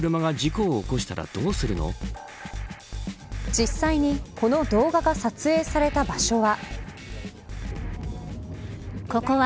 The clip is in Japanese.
実際にこの動画が撮影された場所は。